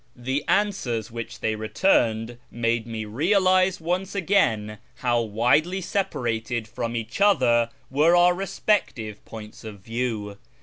The answers w^hich they returned made me realise once again how widely separated from each other were our respective points of view.